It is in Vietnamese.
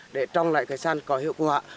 để trong lại cây sắn có hiệu quả